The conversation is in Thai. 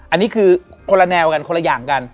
อันนี้คือคนละแนวกันคนละอย่างกัน